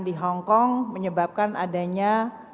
di hongkong menyebabkan adanya